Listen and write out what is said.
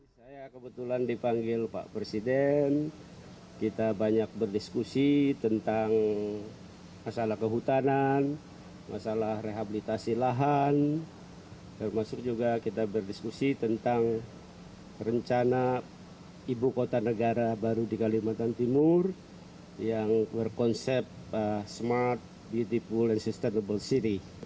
saya kebetulan dipanggil pak presiden kita banyak berdiskusi tentang masalah kehutanan masalah rehabilitasi lahan termasuk juga kita berdiskusi tentang rencana ibu kota negara baru di kalimantan timur yang berkonsep smart beautiful and sustainable city